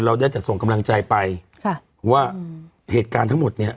ได้แต่ส่งกำลังใจไปค่ะว่าเหตุการณ์ทั้งหมดเนี้ย